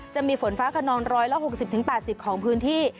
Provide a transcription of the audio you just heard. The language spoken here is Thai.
จะมีฝนฟ้าขนอง๑๖๐๘๐ของพื้นที่